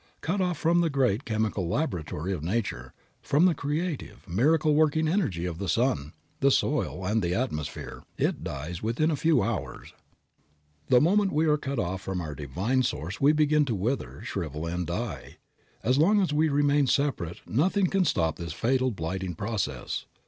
Cut off from the great chemical laboratory of Nature, from the creative, miracle working energy of the sun, the soil, and the atmosphere, it dies within a few hours. The moment we are cut off from our Divine Source we begin to wither, shrivel and die. As long as we remain separate nothing can stop this fatal blighting process.